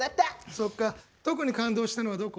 そっか特に感動したのはどこ？